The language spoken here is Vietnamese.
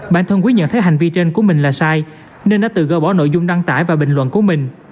bản thân quý nhận thấy hành vi trên của mình là sai nên đã tự gỡ bỏ nội dung đăng tải và bình luận của mình